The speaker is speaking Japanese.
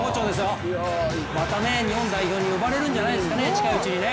また日本代表に呼ばれるんじゃないですかね、近いうちに。